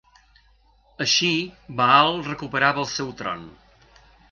Així, Baal recuperava el seu tron.